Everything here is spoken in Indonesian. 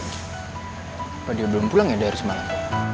apa dia belum pulang ya dari semalam